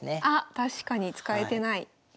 あっ確かに使えてない。